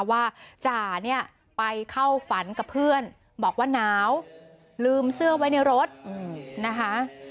ว่าจ่าเนี่ยไปเข้าฝันกับเพื่อนบอกว่าหนาวลืมเสื้อไว้ในรถนะคะ